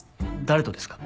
誰とですか？